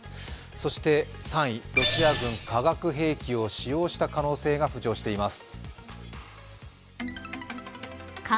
そして３位、ロシア軍化学兵器を使用した疑いが浮上しています。